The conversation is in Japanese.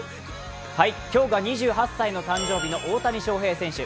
今日が２８歳の誕生日の大谷翔平選手。